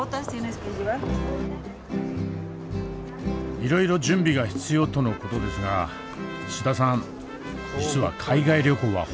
いろいろ準備が必要との事ですが須田さん実は海外旅行はほぼ初めて。